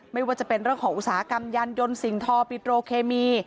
ไม่ว่าจะเป็นเรื่องของอุตสาหกรรมยานยนต์สิ่งทอปิโตรเคมี